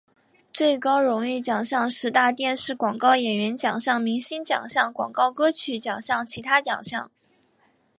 最高荣誉奖项十大电视广告演员奖项明星奖项广告歌曲奖项其他奖项